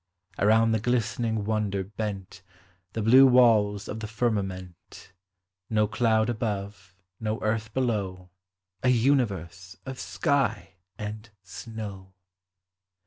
Around the glistening wonder bent The blue walls of the firmament, No cloud above, no earth below, — A universe of sky and snow